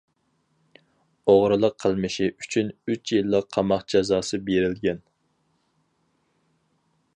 ئوغرىلىق قىلمىشى ئۈچۈن ئۈچ يىللىق قاماق جازاسى بېرىلگەن.